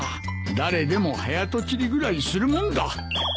誰でも早とちりぐらいするもんだ。